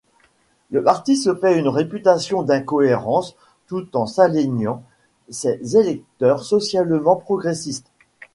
Le parti se fait une réputation d'incohérence tout en s'aliénant ses électeurs socialement progressistes.